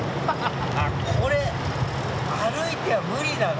あっこれ歩いては無理だな。